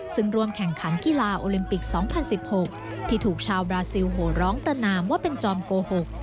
ซึ่งร่วมแข่งขันกีฬาโอลิมปิก๒๐๑๖ที่ถูกชาวบราซิลโหร้องประนามว่าเป็นจอมโกหก